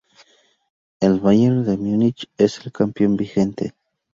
El Bayern de Múnich es el campeón vigente.